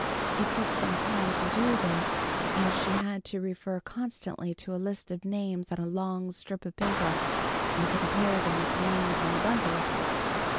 It took some time to do this, as she had to refer constantly to a list of names on a long strip of paper, and compare them with the names on the bundles.